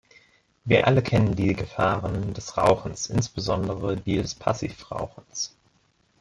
Wir alle kennen die Gefahren des Rauchens, insbesondere die des Passivrauchens.